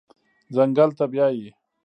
ځنګل ته بیایي